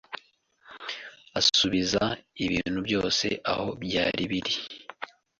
asubiza ibintu byose aho byari biri.